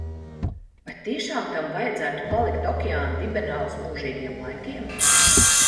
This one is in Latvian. Vai tiešām tam vajadzētu palikt okeāna dibenā uz mūžīgiem laikiem?